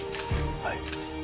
はい。